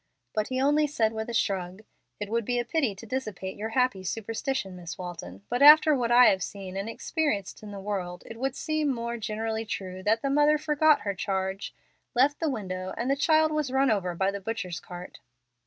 But he only said with a shrug, "It would be a pity to dissipate your happy superstition, Miss Walton, but after what I have seen and experienced in the world it would seem more generally true that the mother forgot her charge, left the window, and the child was run over by the butcher's cart."